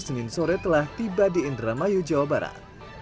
senin sore telah tiba di indramayu jawa barat